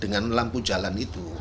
dengan lampu jalan itu